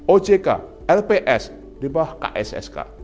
ojk lps di bawah kssk